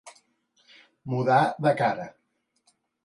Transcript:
Mudar de cara.